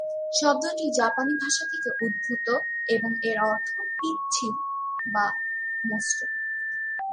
শব্দটি জাপানি ভাষা থেকে উদ্ভূত এবং এর অর্থ "পিচ্ছিল/মসৃণ"।